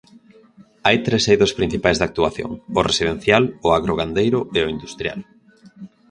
Hai tres eidos principais de actuación: o residencial, o agrogandeiro e o industrial.